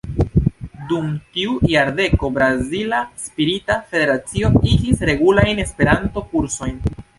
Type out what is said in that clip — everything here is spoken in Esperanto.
Dum tiu jardeko Brazila Spirita Federacio igis regulajn Esperanto-kursojn.